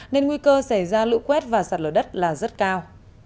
nên nguy cơ xảy ra lũ quét và sạt lở đất là rất cao